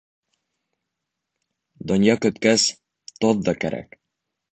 Донъя көткәс, тоҙ ҙа кәрәк.